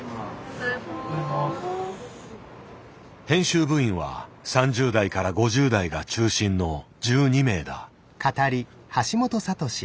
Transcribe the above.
編集部員は３０代から５０代が中心の１２名だ。